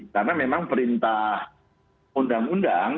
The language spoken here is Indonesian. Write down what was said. karena memang perintah undang undang